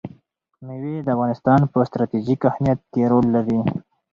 مېوې د افغانستان په ستراتیژیک اهمیت کې رول لري.